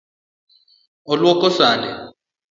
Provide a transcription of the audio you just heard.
Oluoko sande.